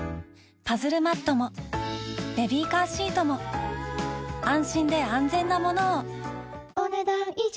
パズルマットもベビーカーシートも安心で安全なものをお、ねだん以上。